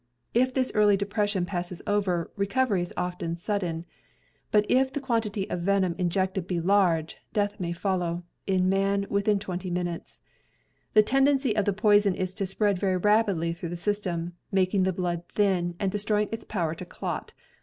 If this early depression passes over, recovery is often sudden; but if the quan tity of venom injected be large, death may follow, in man, within twenty minutes. The tendency of the poison is to spread very rapidly through the system, making the blood thin, and destroying its power to clot.